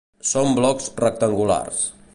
Són blocs rectangulars.